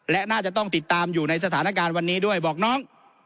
และน่าจะต้องติดตามอยู่ในสถานการณ์วันนี้ด้วยบอกน้อง